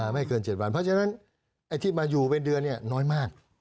ไม่เกิน๗วันเพราะฉะนั้นที่มารอเล่นสำหรับเราหน่อยมาก